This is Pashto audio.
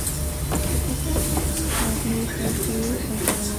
د چټک نسیم غږ مې کړکۍ وټکوله.